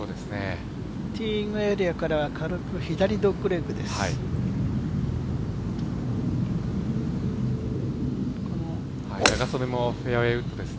ティーイングエリアから軽く左ドッグレッグです。